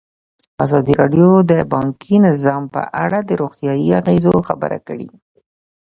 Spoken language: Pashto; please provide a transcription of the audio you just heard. ازادي راډیو د بانکي نظام په اړه د روغتیایي اغېزو خبره کړې.